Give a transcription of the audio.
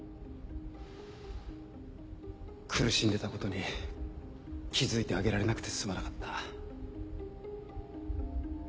苦しんでたことに気付いてあげられなくてすまなかった。